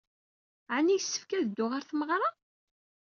Ɛni yessefk ad dduɣ ɣer tmeɣra?